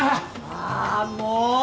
あぁもう！